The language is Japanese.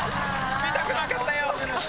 見たくなかったよ！